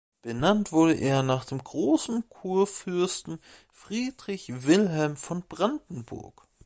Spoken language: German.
Benannt wurde er nach dem Großen Kurfürsten Friedrich Wilhelm von Brandenburg.